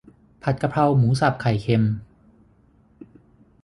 ผัดกะเพราหมูสับไข่เค็ม